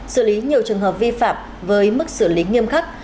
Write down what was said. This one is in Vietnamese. xử lý nhiều trường hợp vi phạm với mức xử lý nghiêm khắc